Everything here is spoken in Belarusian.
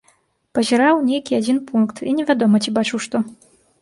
Пазіраў у нейкі адзін пункт, і невядома, ці бачыў што.